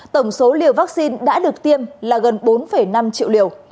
tổng số liều vaccine đã được tiêm là gần bốn năm triệu liều